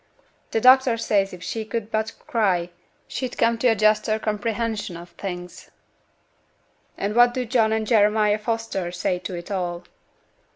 T' doctor says if she could but cry, she'd come to a juster comprehension of things.' 'And what do John and Jeremiah Foster say to it all?'